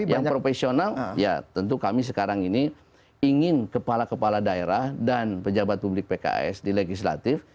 yang profesional ya tentu kami sekarang ini ingin kepala kepala daerah dan pejabat publik pks di legislatif